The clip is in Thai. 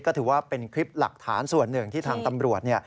ก็ถือว่าเป็นคลิปหลักฐานส่วนหนึ่งที่ทางตำรวจ